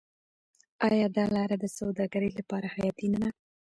آیا دا لاره د سوداګرۍ لپاره حیاتي نه ده؟